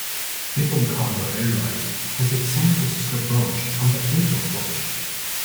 Nippon Cargo Airlines has its San Francisco branch on the airport property.